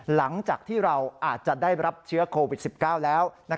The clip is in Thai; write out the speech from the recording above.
หลังจากที่เราอาจจะได้รับเชื้อโควิด๑๙แล้ว